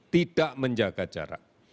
tidak menjaga jarak